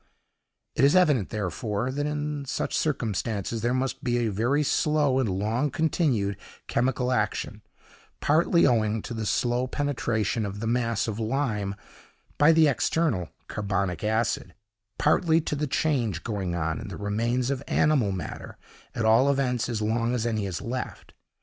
It is evident, therefore, that in such circumstances there must be a very slow and long continued chemical action, partly owing to the slow penetration of the mass of lime by the external carbonic acid, partly to the change going on in the remains of animal matter, at all events as long as any is left.